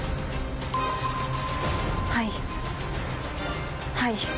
はいはい。